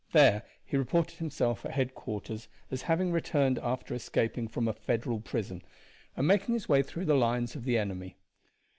There he reported himself at headquarters as having returned after escaping from a Federal prison, and making his way through the lines of the enemy.